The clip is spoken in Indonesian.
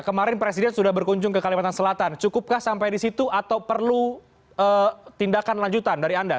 kemarin presiden sudah berkunjung ke kalimantan selatan cukupkah sampai di situ atau perlu tindakan lanjutan dari anda